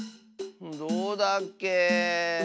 どうだっけ。